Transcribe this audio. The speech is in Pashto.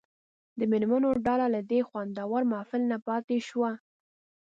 د مېرمنو ډله له دې خوندور محفل نه پاتې شوه.